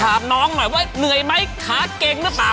ถามน้องหน่อยว่าเหนื่อยไหมขาเก่งหรือเปล่า